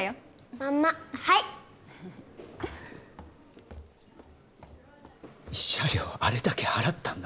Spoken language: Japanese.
まんまはい慰謝料をあれだけ払ったんだ